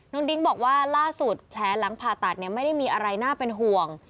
ดิ้งบอกว่าล่าสุดแผลหลังผ่าตัดไม่ได้มีอะไรน่าเป็นห่วง